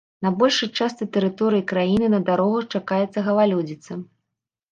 На большай частцы тэрыторыі краіны на дарогах чакаецца галалёдзіца.